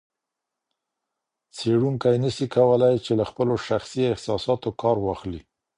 څېړونکی نسي کولای چي له خپلو شخصي احساساتو کار واخلي.